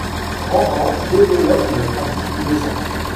Ren Han développe une pratique du dessin.